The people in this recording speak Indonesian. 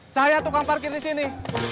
saya tukang parkir di sini